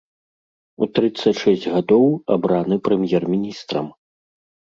У трыццаць шэсць гадоў абраны прэм'ер-міністрам.